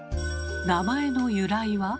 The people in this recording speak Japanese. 名前の由来は？